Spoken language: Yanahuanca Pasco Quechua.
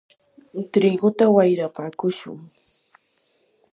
triguta wayrapakushun.